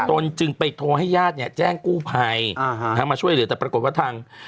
ตนจึงไปโทรให้ญาติเนี่ยแจ้งกู้ภัยมาช่วยเหลือแต่ปรากฏว่าทาง